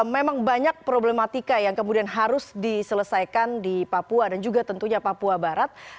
memang banyak problematika yang kemudian harus diselesaikan di papua dan juga tentunya papua barat